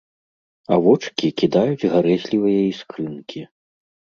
А вочкі кідаюць гарэзлівыя іскрынкі.